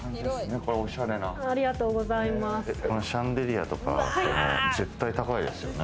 このシャンデリアとか絶対高いですよね。